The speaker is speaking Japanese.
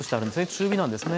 中火なんですね。